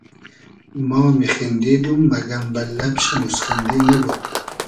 ما میخیندیدوم مئگئم بئل لئب شی موسخیندی نئبود